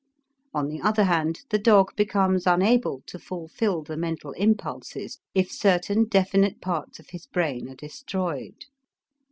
On the other hand, the dog becomes unable to fulfill the mental impulses if certain definite parts of his brain are destroyed.